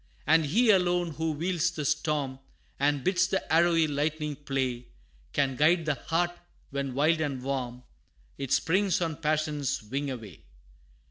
And He alone, who wields the storm, And bids the arrowy lightning play, Can guide the heart, when wild and warm, It springs on passion's wing away!